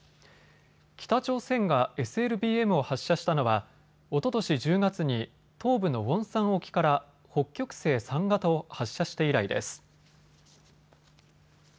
北朝鮮がＳＬＢＭを発射したのはおととし１０月に東部のウォンサン沖から北極星３型を発射して以来です。